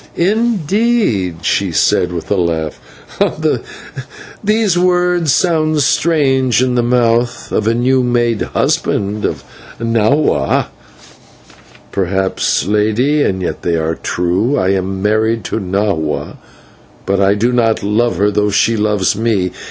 "Indeed," she said with a laugh, "these words sound strange in the mouth of the new made husband of Nahua." "Perhaps, Lady, and yet they are true. I am married to Nahua, but I do not love her, though she loves me.